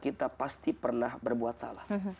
di antara kita pasti pernah berbuat salah